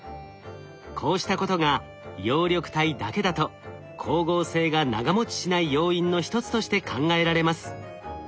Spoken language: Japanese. こうしたことが葉緑体だけだと光合成が長もちしない要因の１つとして考えられます。